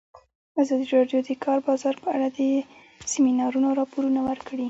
ازادي راډیو د د کار بازار په اړه د سیمینارونو راپورونه ورکړي.